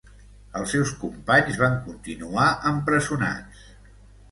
Els seus companys van continuar empresonats.